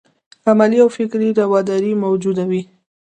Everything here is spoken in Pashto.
علمي او فکري راوداري موجوده وي.